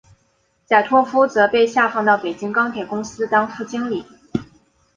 贾拓夫则被下放到北京钢铁公司当副经理。